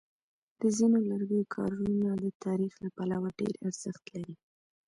د ځینو لرګیو کارونه د تاریخ له پلوه ډېر ارزښت لري.